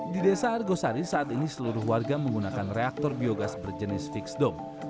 di desa argosari saat ini seluruh warga menggunakan reaktor biogas berjenis fix dom